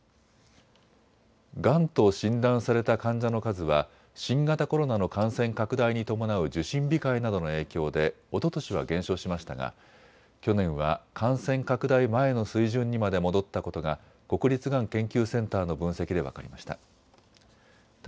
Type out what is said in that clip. がんと診断された患者の数は新型コロナの感染拡大に伴う受診控えなどの影響でおととしは減少しましたが去年は感染拡大前の水準にまで戻ったことが国立がん研究センターの分析で分かりました。